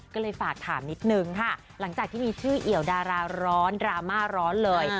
ก็เลยฝากถามนิดนึงค่ะหลังจากที่มีชื่อเอี่ยวดาราร้อนดราม่าร้อนเลย